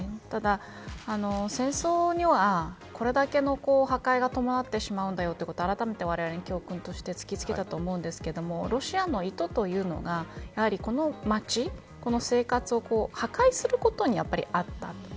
ただ、戦争にはこれだけの破壊が伴ってしまうんだということをあらためてわれわれに教訓として突きつけたと思うんですがロシアの意図というのがやはり、この町や生活を破壊することにあった。